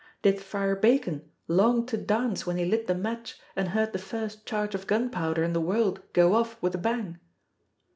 Did Friar Bacon long to dance when he lit the match and heard the first charge of gunpowder in the world go off with a bang?